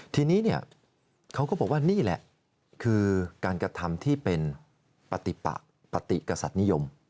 ทีนี้เขาก็บอกว่านี่แหละคือการกระทำที่เป็นปฏิกษัตริย์นิยม